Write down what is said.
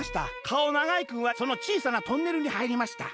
かおながいくんはそのちいさなトンネルにはいりました。